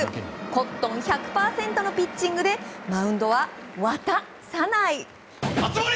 コットン１００％のピッチングでマウンドは「わた」さない！